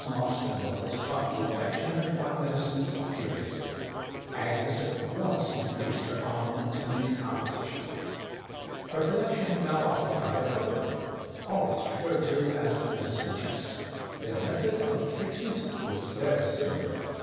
Marston Wells caught the infec tion and bought medicines furiously; Agnes at once increased her armament to meet competition. Her collection now occupied a cupboard, always referred to as the medicine chest. Their method of treatment was very similar.